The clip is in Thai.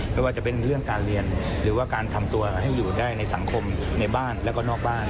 ไม่ว่าจะเป็นเรื่องการเรียนหรือว่าการทำตัวให้อยู่ได้ในสังคมในบ้านแล้วก็นอกบ้าน